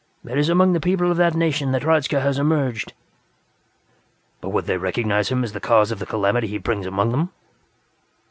It is among the people of that nation that Hradzka has emerged." "But would they recognize him as the cause of the calamity he brings among them?"